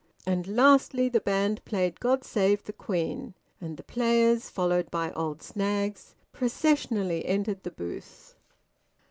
And lastly the band played "God Save the Queen," and the players, followed by old Snaggs, processionally entered the booth.